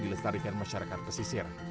dilestarikan masyarakat pesisir